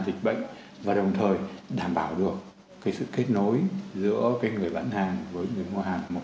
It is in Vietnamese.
dịch bệnh và đồng thời đảm bảo được cái sự kết nối giữa cái người vận hàng với người mua hàng một